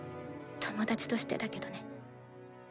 友達としてだけどね。